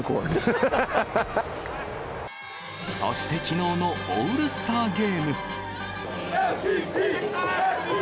そしてきのうのオールスターゲーム。